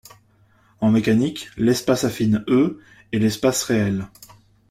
En mécanique, l'espace affine ℰ est l'espace réel.